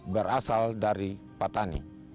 berasal dari patani